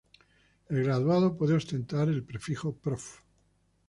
El graduado puede ostentar el prefijo Prof.